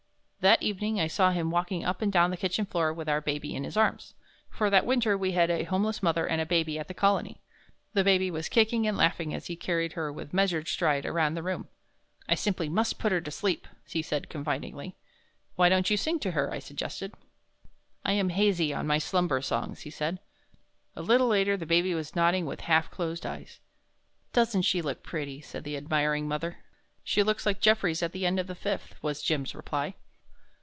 That evening I saw him walking up and down the kitchen floor with our Baby in his arms for that Winter we had a homeless mother and Baby at the Colony. The Baby was kicking and laughing as he carried her with measured stride around the room. "I simply must put her to sleep," he said, confidingly. "Why don't you sing to her," I suggested. "I am hazy on my slumber songs," he said. A little later the Baby was nodding with half closed eyes. "Doesn't she look pretty," said the admiring mother. "She looks like Jeffries at the end of the fifth," was Jim's reply.